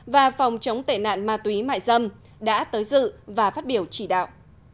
và phòng chống tệ nạn ma túy mại dâm đã tới dự và phát biểu chỉ đạo